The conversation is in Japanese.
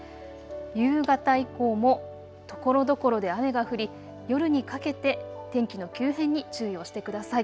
夕方以降もところどころで雨が降り、夜にかけて天気の急変に注意をしてください。